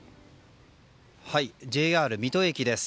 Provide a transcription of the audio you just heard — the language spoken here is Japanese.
ＪＲ水戸駅です。